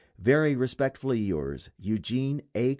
Very respectfully yours, EUGENE A.